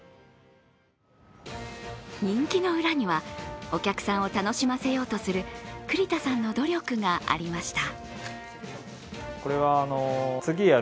人気の裏にはお客さんを楽しませようとする栗田さんの努力がありました。